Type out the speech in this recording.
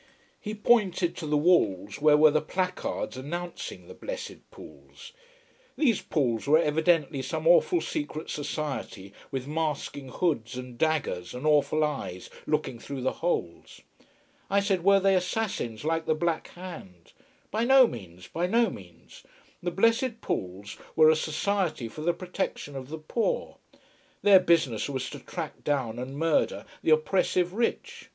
He pointed to the walls where were the placards announcing The Blessed Pauls. These Pauls were evidently some awful secret society with masking hoods and daggers and awful eyes looking through the holes. I said were they assassins like the Black Hand. By no means, by no means. The Blessed Pauls were a society for the protection of the poor. Their business was to track down and murder the oppressive rich.